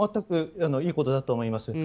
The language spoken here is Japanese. いいことだと思います。